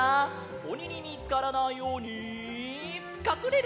おににみつからないようにかくれる！